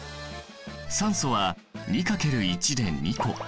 酸素は２×１で２個。